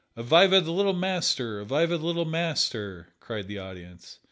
"Evviva the Little Master Evviva the Little Master!" cried the audience.